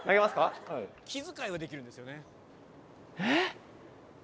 気遣いはできるんですよね。